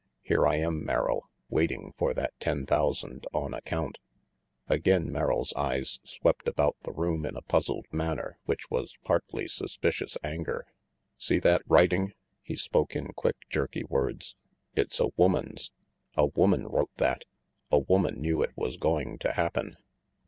Here I am, Merrill, waiting for that ten thousand on account." 1 Again Merrill's eyes swept about the room in a puzzled manner which was partly suspicious anger. "See that writing!" he spoke in quick, jerky words. "It's a woman's. A woman wrote that! A woman knew it was going to happen."